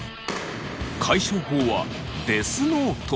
解消法はデスノート！